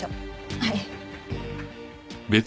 はい。